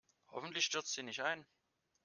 Hoffentlich stürzt sie nicht ein.